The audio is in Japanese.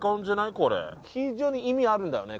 これ非常に意味あるんだよね